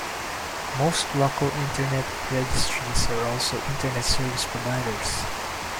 Most local Internet registries are also Internet service providers.